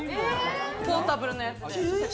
ポータブルのやつで。